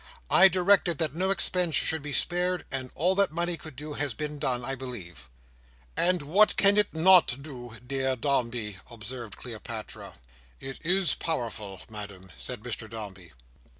"I directed that no expense should be spared; and all that money could do, has been done, I believe." "And what can it not do, dear Dombey?" observed Cleopatra. "It is powerful, Madam," said Mr Dombey.